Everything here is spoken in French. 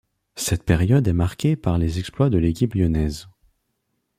Cette période est marquée par les exploits de l’équipe Lyonnaise.